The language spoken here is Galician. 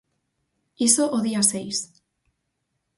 Iso o día seis.